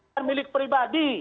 dan milik pribadi